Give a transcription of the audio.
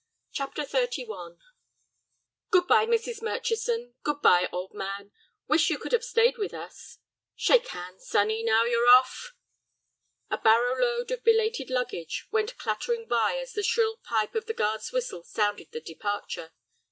CHAPTER XXXI "Good bye, Mrs. Murchison; good bye, old man; wish you could have stayed with us. Shake hands, sonny, now you're off." A barrow load of belated luggage went clattering by as the shrill pipe of the guard's whistle sounded the departure.